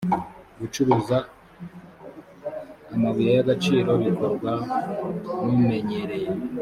gucuruza amabuye y’agaciro bikorwa n’umenyereye